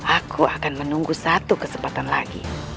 aku akan menunggu satu kesempatan lagi